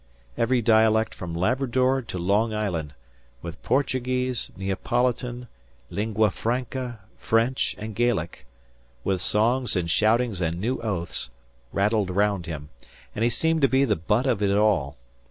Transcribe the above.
Every dialect from Labrador to Long Island, with Portuguese, Neapolitan, Lingua Franca, French, and Gaelic, with songs and shoutings and new oaths, rattled round him, and he seemed to be the butt of it all.